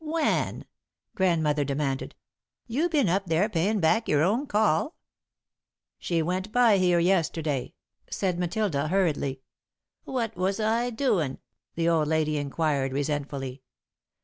"When?" Grandmother demanded. "You been up there, payin' back your own call?" "She went by here yesterday," said Matilda, hurriedly. "What was I doin'?" the old lady inquired, resentfully.